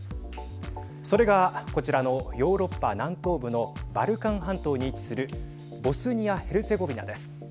それが、こちらのヨーロッパ南東部のバルカン半島に位置するボスニア・ヘルツェゴビナです。